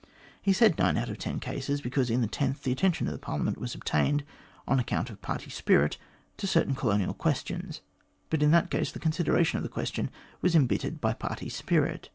He said nine out of ten cases, because in the tenth, the attention of Parliament was obtained, on account of party spirit, to certain colonial questions ; but, in that case, the consideration of the question was embittered by party spirit.